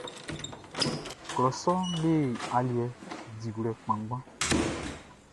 Klɔ sɔʼn le aliɛ diwlɛ kpanngban.